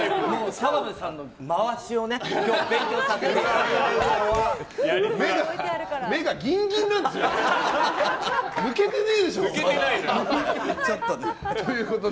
澤部さんの回しをね今日は勉強させていただいて。